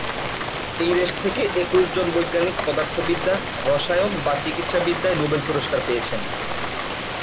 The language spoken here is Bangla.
এই দেশ থেকে একুশ জন বৈজ্ঞানিক পদার্থবিদ্যা, রসায়ন বা চিকিৎসাবিদ্যায় নোবেল পুরস্কার পেয়েছেন।